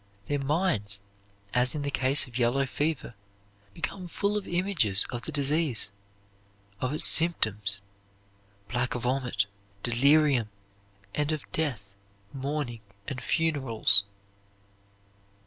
Their minds (as in the case of yellow fever) become full of images of the disease, of its symptoms black vomit, delirium, and of death, mourning, and funerals.